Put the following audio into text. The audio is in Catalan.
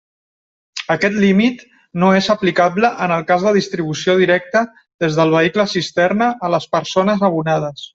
Aquest límit no és aplicable en el cas de distribució directa des del vehicle cisterna a les persones abonades.